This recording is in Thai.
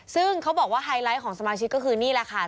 ซึ่งเขาบอกว่าไฮไลท์ของสมาชิกก็คือนี่แหละค่ะ